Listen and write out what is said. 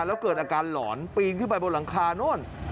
แล้วเกิดอาการหลอนปีนขึ้นไปบนหลังคาโน่น